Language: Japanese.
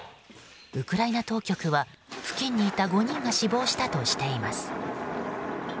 ウクライナ当局は付近にいた５人が死亡したとしています。